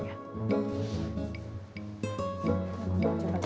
kita ke kantin aja sekarang ya